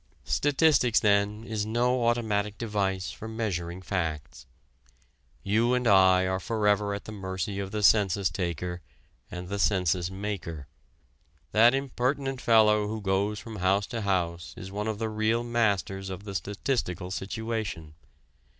Statistics then is no automatic device for measuring facts. You and I are forever at the mercy of the census taker and the census maker. That impertinent fellow who goes from house to house is one of the real masters of the statistical situation.